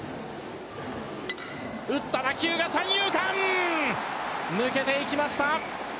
打った打球が三遊間抜けていきました。